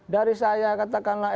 dari saya katakanlah